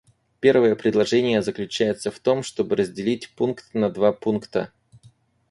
Первое предложение заключается в том, чтобы разделить пункт на два пункта.